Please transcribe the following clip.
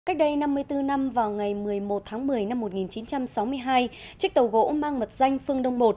cách đây năm mươi bốn năm vào ngày một mươi một tháng một mươi năm một nghìn chín trăm sáu mươi hai chiếc tàu gỗ mang mật danh phương đông một